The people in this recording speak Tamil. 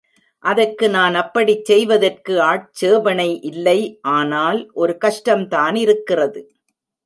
அதற்கு நான் அப்படிச் செய்வதற்கு ஆட்சேபணை இல்லை ஆனால் ஒரு கஷ்டம்தானிருக்கிறது.